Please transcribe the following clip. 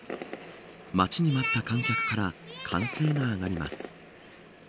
待ちに待った観客から歓声が上がります。